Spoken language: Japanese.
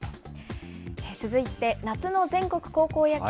続いて夏の全国高校野球。